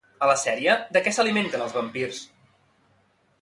A la sèrie, de què s'alimenten els vampirs?